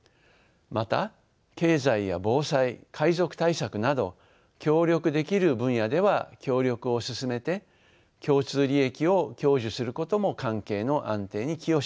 また経済や防災海賊対策など協力できる分野では協力を進めて共通利益を享受することも関係の安定に寄与します。